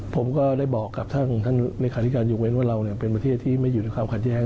ผมก็ได้บอกกับท่านเลขาธิการยกเว้นว่าเราเป็นประเทศที่ไม่อยู่ในความขัดแย้ง